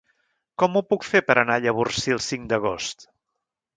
Com ho puc fer per anar a Llavorsí el cinc d'agost?